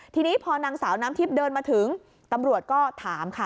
ทีนี้พอนางสาวน้ำทิพย์เดินมาถึงตำรวจก็ถามค่ะ